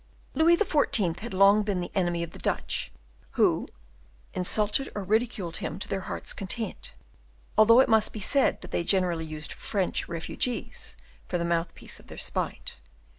Louis XIV. had long been the enemy of the Dutch, who insulted or ridiculed him to their hearts' content, although it must be said that they generally used French refugees for the mouthpiece of their spite.